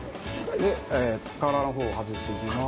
で殻の方を外していきます。